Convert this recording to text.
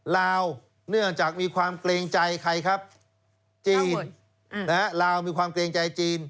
ลาวเนื่องจากมีความเกรงใจใครครับจีนลาวมีความเกรงใจจีน